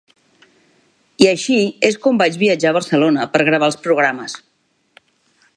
I així és com vaig viatjar a Barcelona per gravar els programes.